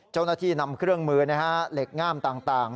เจ้าหน้าที่นำเครื่องมือเหล็กง่ามต่าง